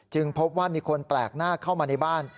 พบว่ามีคนแปลกหน้าเข้ามาในบ้าน